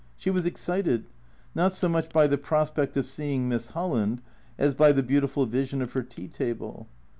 She was excited, not so much by the prospect of seeing Miss Holland as by the beautiful vision of her tea table.